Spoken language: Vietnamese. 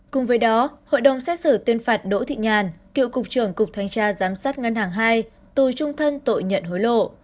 cùng với đó hội đồng xét xử tuyên phạt đỗ thị nhàn cựu cục trưởng cục thanh tra giám sát ngân hàng hai tù trung thân tội nhận hối lộ